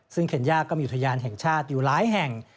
ซึ่งเคนย่าก็มีอุทยานแห่งชาติอยู่หลายแห่ง